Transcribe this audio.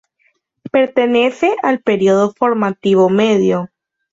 Pertenece al periodo Formativo Medio.